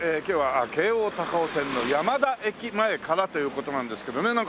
今日は京王高尾線の山田駅前からという事なんですけどね。